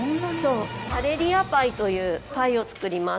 カレリアパイというパイを作ります。